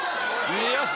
よし！